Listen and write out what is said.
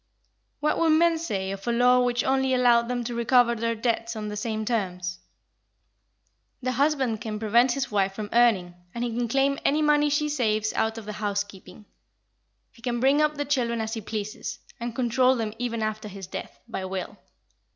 What would men say of a law which only allowed them to recover their debts on the same terms? The husband can prevent his wife from earning, and he can claim any money she saves out of the housekeeping. He can bring up the children as he pleases, and control them even after his death, by will.